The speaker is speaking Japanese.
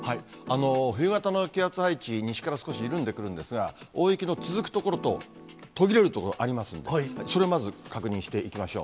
冬型の気圧配置、西から少し緩んでくるんですが、大雪の続く所と途切れる所ありますので、それをまず確認していきましょう。